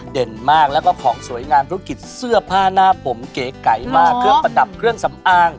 มากแล้วก็ของสวยงามธุรกิจเสื้อผ้าหน้าผมเก๋ไก่มากเครื่องประดับเครื่องสำอาง